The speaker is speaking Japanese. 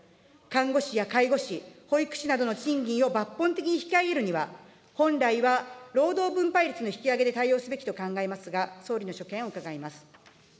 看護師や介護士、保育士などの賃金を抜本的に引き上げるには、本来は労働分配率の引き上げで対応すべきと考えますが、総理の所見を伺います。